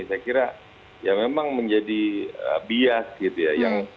saya kira ya memang menjadi bias gitu ya